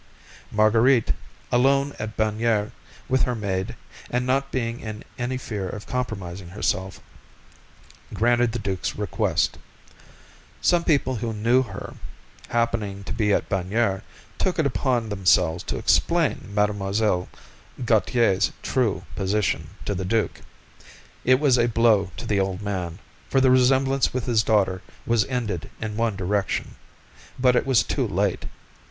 Marguerite, alone at Bagnères with her maid, and not being in any fear of compromising herself, granted the duke's request. Some people who knew her, happening to be at Bagnères, took upon themselves to explain Mademoiselle Gautier's true position to the duke. It was a blow to the old man, for the resemblance with his daughter was ended in one direction, but it was too late.